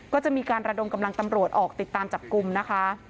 ก็จะมีการระดมกำลังตำรวจออกติดตามจับกลุ่มนะคะ